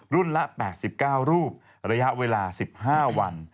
ละ๘๙รูประยะเวลา๑๕วัน